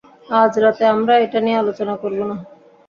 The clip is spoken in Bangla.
আজ রাতে আমরা এটা নিয়ে আলোচনা করব না।